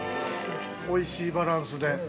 ◆おいしいバランスで。